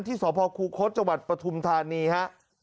ที่สวพครูโค้ดจังหวัดปทุมธานีฮะ